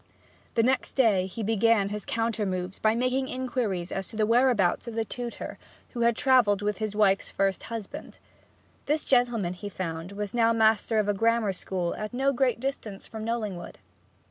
The next day he began his countermoves by making inquiries as to the whereabouts of the tutor who had travelled with his wife's first husband; this gentleman, he found, was now master of a grammar school at no great distance from Knollingwood.